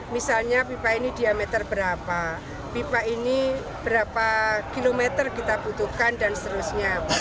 misalnya pipa ini diameter berapa pipa ini berapa kilometer kita butuhkan dan seterusnya